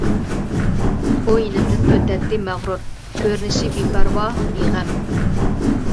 ئۇ يېنىمدىن ئۆتەتتى مەغرۇر، كۆرۈنۈشى بىپەرۋا، بىغەم.